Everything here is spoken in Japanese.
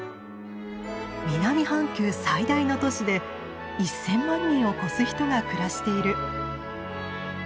南半球最大の都市で１，０００万人を超す人が暮らしている。